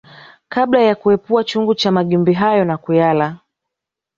Kabla ya kuepua chungu cha magimbi hayo na kuyala